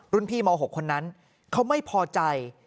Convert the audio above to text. พี่ม๖คนนั้นเขาไม่พอใจ